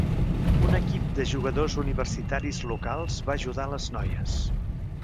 Un equip de jugadors universitaris locals va ajudar les noies.